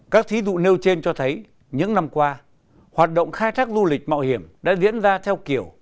các thí dụ nêu trên cho thấy những năm qua hoạt động khai thác du lịch mạo hiểm đã diễn ra theo kiểu